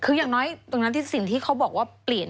คืออย่างน้อยตรงนั้นที่สิ่งที่เขาบอกว่าเปลี่ยน